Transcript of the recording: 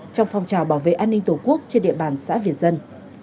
trong phong trào bảo vệ an ninh tổ quốc trên địa bàn xã việt dân